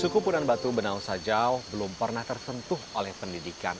suku punan batu benau sajau belum pernah tersentuh oleh pendidikan